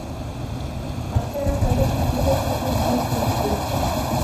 বাচ্চারা তাদের শিক্ষকের সাথে জিম ক্লাস করছে।